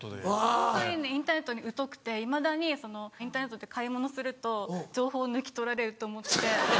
ホントにインターネットに疎くていまだにインターネットで買い物すると情報抜き取られると思って。